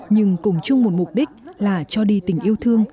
nhưng cùng chung một mục đích là cho đi tình yêu thương